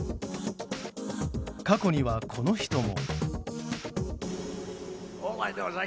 過去には、この人も。